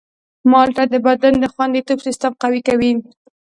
مالټه د بدن د خوندیتوب سیستم قوي کوي.